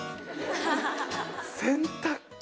洗濯機。